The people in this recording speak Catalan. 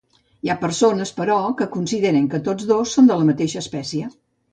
Hi ha persones, però, que consideren que tots dos són la mateixa espècie.